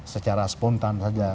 secara spontan saja